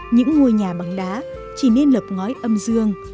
những ngôi nhà bằng đá chỉ nên lập ngói âm dương